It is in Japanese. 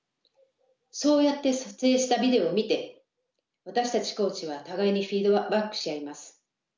そうやって撮影したビデオを見て私たちコーチは互いにフィードバックし合います。